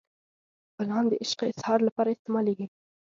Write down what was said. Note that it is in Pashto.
ګلان د عشق اظهار لپاره استعمالیږي.